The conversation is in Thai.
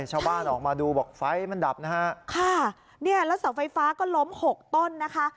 ชาวบ้านออกมาดูบอกไฟมันดับนะฮะค่ะเนี่ยแล้วเสาไฟฟ้าก็ล้มหกต้นนะคะ